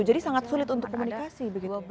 jadi sangat sulit untuk komunikasi begitu